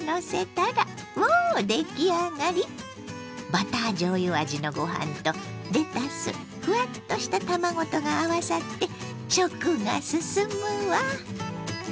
バターじょうゆ味のご飯とレタスふわっとした卵とが合わさって食が進むわ。